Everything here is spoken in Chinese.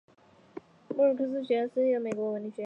斯沃斯莫尔学院是一所私立的美国文理学院。